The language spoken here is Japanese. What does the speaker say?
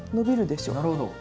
なるほど。